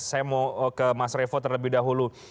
saya mau ke mas revo terlebih dahulu